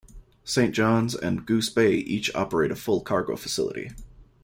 Saint John's and Goose Bay each operate a full cargo facility.